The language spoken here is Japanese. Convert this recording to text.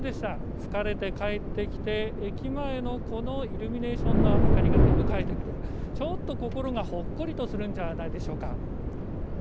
疲れて帰ってきて駅前のこのイルミネーションの明かりが出迎えてくれる、心がほっこりするのではないでしょうか。